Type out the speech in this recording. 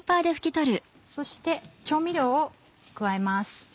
そして調味料を加えます。